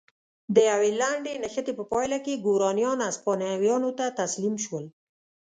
د یوې لنډې نښتې په پایله کې ګورانیان هسپانویانو ته تسلیم شول.